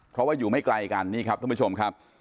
เพราะว่าอยู่ไม่ไกลกันนี่ครับท่านผู้ชมครับ